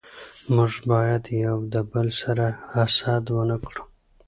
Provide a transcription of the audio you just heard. موږ بايد يو دبل سره حسد و نه کړو